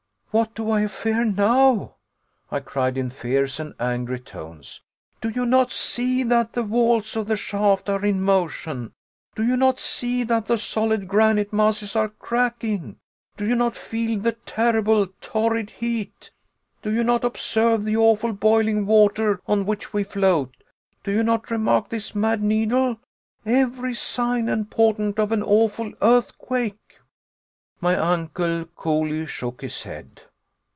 "What do I fear now!" I cried in fierce and angry tones. "Do you not see that the walls of the shaft are in motion? Do you not see that the solid granite masses are cracking? Do you not feel the terrible, torrid heat? Do you not observe the awful boiling water on which we float? Do you not remark this mad needle? Every sign and portent of an awful earthquake!" My uncle coolly shook his head.